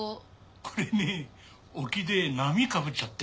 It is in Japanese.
これね沖で波かぶっちゃって。